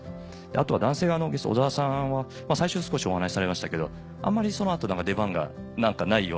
あとは男性側のゲスト小澤さんは最初少しお話しされましたけどあんまりその後出番がないような。